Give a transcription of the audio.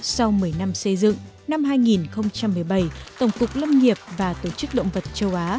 sau một mươi năm xây dựng năm hai nghìn một mươi bảy tổng cục lâm nghiệp và tổ chức động vật châu á